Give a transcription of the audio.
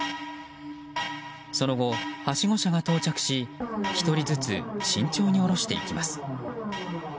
その後、はしご車が到着し１人ずつ慎重に降ろしていきます。